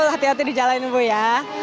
hati hati di jalan ibu ya